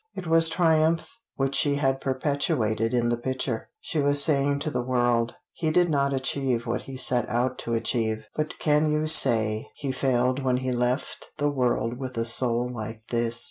It was triumph which she had perpetuated in the picture. She was saying to the world He did not achieve what he set out to achieve, but can you say he failed when he left the world with a soul like this?